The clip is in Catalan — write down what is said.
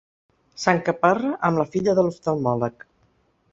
S'encaparra amb la filla de l'oftalmòleg.